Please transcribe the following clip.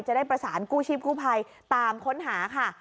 จะได้ประสานกู้ชีพกู้ภัยตามค้นหาค่ะ